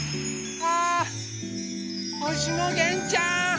あほしのげんちゃん。